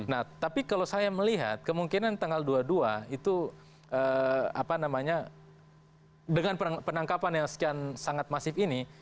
nah tapi kalau saya melihat kemungkinan tanggal dua puluh dua itu apa namanya dengan penangkapan yang sekian sangat masif ini